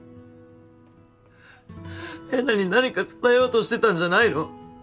えなに何か伝えようとしてたんじゃないの？